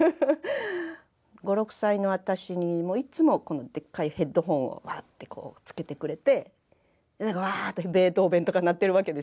５６歳の私にいつもこのでっかいヘッドホンをワッてこうつけてくれてでワーッとベートーベンとか鳴ってるわけですよ。